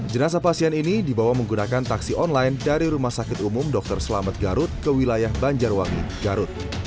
jenazah pasien ini dibawa menggunakan taksi online dari rumah sakit umum dr selamet garut ke wilayah banjarwangi garut